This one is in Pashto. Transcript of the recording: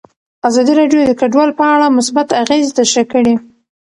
ازادي راډیو د کډوال په اړه مثبت اغېزې تشریح کړي.